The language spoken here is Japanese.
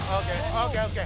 ＯＫＯＫ！